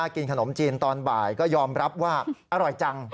กินขนมจีนตอนบ่ายก็ยอมรับว่าอร่อยจัง